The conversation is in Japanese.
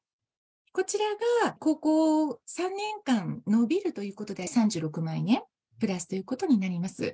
こちらが高校３年間伸びるということで３６万円プラスということになります。